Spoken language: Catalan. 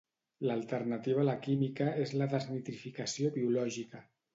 L'alternativa a la química és la desnitrificació biològica.